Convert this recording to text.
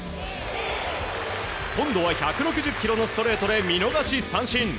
今度は１６０キロのストレートで見逃し三振。